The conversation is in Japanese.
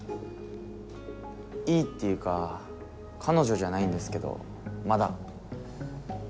いいっていうか彼女じゃないんですけどまだ。